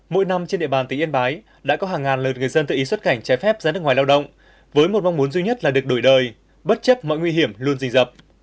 mỗi năm trên địa bàn tỉnh yên bái đã có hàng ngàn lượt người dân tự ý xuất cảnh trái phép ra nước ngoài lao động với một mong muốn duy nhất là được đổi đời bất chấp mọi nguy hiểm luôn dì dập